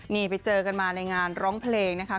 นี่ไปเจอกันมาในงานร้องเพลงนะคะ